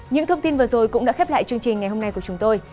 những thông tin vừa rồi cũng đã khép lại chương trình ngày hôm nay của chúng tôi